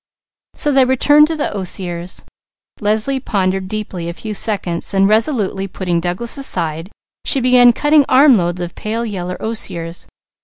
So they returned to the osiers. Leslie pondered deeply a few seconds, then resolutely putting Douglas aside, she began cutting armloads of pale yellow osiers.